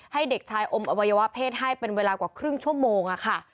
ให้เด็กชายอมอวัยวะเพศให้เป็นเวลากว่าครึ่งชั่วโมงค่ะ